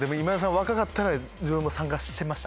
若かったら自分も参加してました？